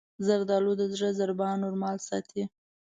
زردالو د زړه ضربان نورمال ساتي.